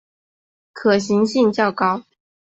可行性较高